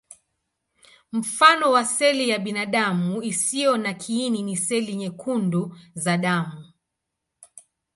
Mfano wa seli ya binadamu isiyo na kiini ni seli nyekundu za damu.